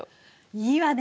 いいわね。